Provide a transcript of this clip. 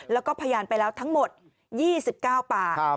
แล้วก็พยานไปแล้วทั้งหมด๒๙ปาก